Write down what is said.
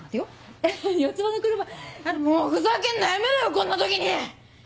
もうふざけんのやめろよこんな時に！